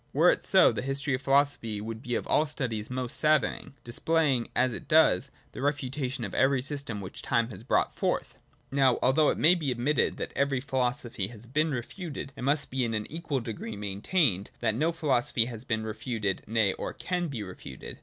Were it so, the history of philosophy would be of all studies most saddening, i6o THE DOCTRINE OF BEING. [^1 displaying, as it does, the refutation of every system whic, time has brought forth. Now, although it may be admitte that every philosophy has been refuted, it must be in a: equal degree maintained, that no philosophy has been re futed, nay, or can be refuted.